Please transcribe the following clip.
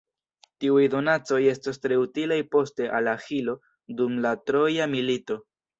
Tiuj donacoj estos tre utilaj poste al Aĥilo dum la Troja milito.